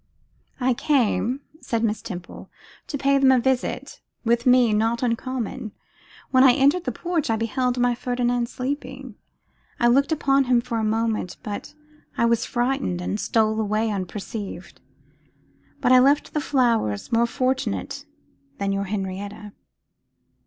'I came,' said Miss Temple, 'to pay them a visit, with me not uncommon. When I entered the porch I beheld my Ferdinand asleep. I looked upon him for a moment, but I was frightened and stole away unperceived. But I left the flowers, more fortunate than your Henrietta.